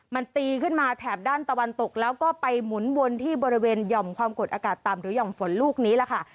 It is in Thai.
มันตีขึ้นมาแถบด้านตะวันตกแล้วก็ไปหมุนวนที่บริเวณหย่อมความกดอากาศต่ำหรือห่อมฝนลูกนี้ล่ะค่ะ